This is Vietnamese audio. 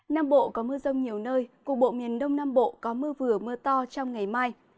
nam bộ có mưa rông nhiều nơi cục bộ miền đông nam bộ có mưa vừa mưa to trong ngày mai